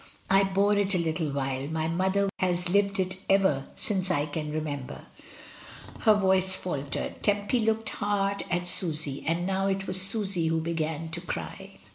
I bore it a little while; my mother has lived it ever since I can remember," her voice faltered. Tempy looked hard at Susy, and now it was Susy who began to cry.